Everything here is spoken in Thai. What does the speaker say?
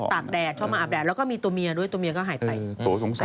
กแดดชอบมาอาบแดดแล้วก็มีตัวเมียด้วยตัวเมียก็หายไป